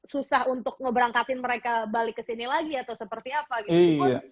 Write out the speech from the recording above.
susah untuk ngeberangkatin mereka balik ke sini lagi atau seperti apa gitu